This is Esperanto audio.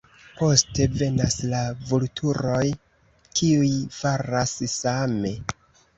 Poste venas la vulturoj kiuj faras same.